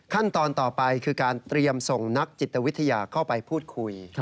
ขั้นตอนต่อไปคือการเตรียมส่งนักจิตวิทยาเข้าไปพูดคุย